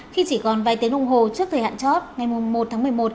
khi chỉ còn vài tiếng đồng hồ trước thời hạn chót ngày một tháng một mươi một